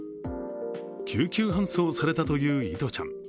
救急搬送されたという絃ちゃん。